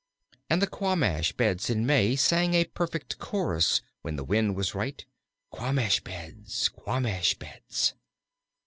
And the quamash beds in May sang a perfect chorus when the wind was right: "Quamash beds, Quamash beds."